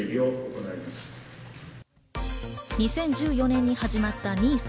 ２０１４年に始まったＮＩＳＡ。